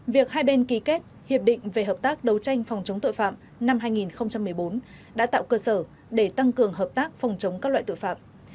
việc hai bên ký kết hiệp định về hợp tác đấu tranh phòng chống tội phạm năm hai nghìn một mươi bốn đã tạo cơ sở để tăng cường hợp tác phòng chống các loại tội phạm